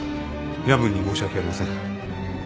夜分に申し訳ありません。